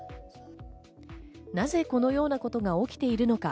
なぜ、このような事が起きているのか？